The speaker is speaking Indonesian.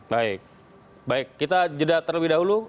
baik baik kita jeda terlebih dahulu